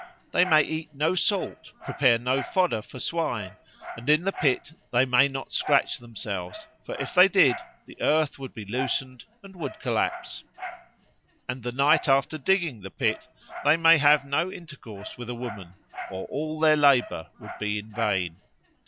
They may eat no salt, prepare no fodder for swine, and in the pit they may not scratch themselves, for if they did, the earth would be loosened and would collapse. And the night after digging the pit they may have no intercourse with a woman, or all their labour would be in vain.